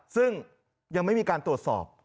ซึ่งยังไม่มีการตรวจสอบ